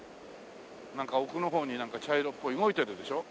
なんか奥の方に茶色っぽい動いてるでしょ？